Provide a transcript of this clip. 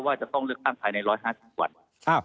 ว่าจะต้องเลือกอ้างภายใน๑๕๐วัน